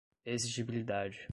exigibilidade